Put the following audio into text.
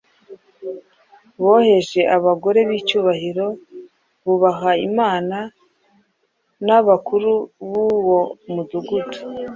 Boheje abagore b’icyubahiro bubaha Imana n’abakuru b’uwo mudugudu,